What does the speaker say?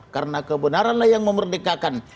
karena kebenaranlah yang memerdekakan